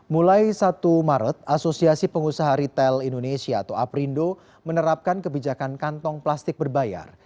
mulai satu maret asosiasi pengusaha retail indonesia atau aprindo menerapkan kebijakan kantong plastik berbayar